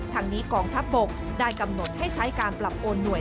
ทางนี้กองทัพบกได้กำหนดให้ใช้การปรับโอนหน่วย